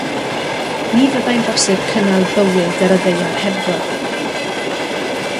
Ni fyddai'n bosib cynnal bywyd ar y ddaear hebddo.